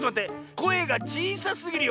こえがちいさすぎるよ。